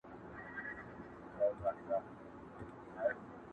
نور دي دا خلګ باداره په هر دوو سترګو ړانده سي،